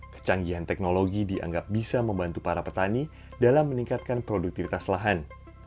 kecanggihan teknologi dianggap bisa membantu para petani dalam meningkatkan produktivitas lahan